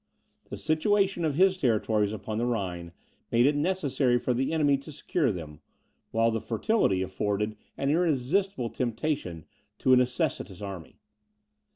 The situation of his territories upon the Rhine made it necessary for the enemy to secure them, while the fertility afforded an irresistible temptation to a necessitous army.